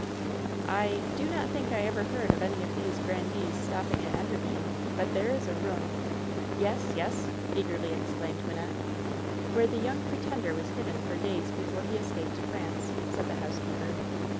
"I — do not think I ever heard of any of these gran dees stopping at Enderby. But there is a room ^" "Yes, yes !" eagerly exclaimed Wynnette. "Where the Young Pretender was hidden for days before he escaped to France," said the housekeeper.